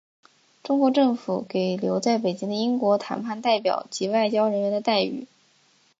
中国政府给留在北京的英国谈判代表以外交人员的待遇。